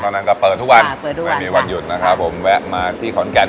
นั้นก็เปิดทุกวันเปิดทุกวันไม่มีวันหยุดนะครับผมแวะมาที่ขอนแก่น